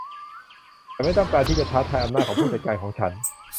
ฉันไม่ต้องการที่จะท้าทายอำนาจของผู้จัดการของฉัน